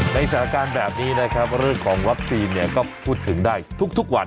สถานการณ์แบบนี้นะครับเรื่องของวัคซีนเนี่ยก็พูดถึงได้ทุกวัน